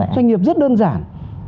doanh nghiệp rất đơn giản